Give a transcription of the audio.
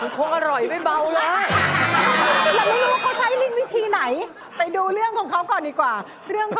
เก่งเก่งเก่ง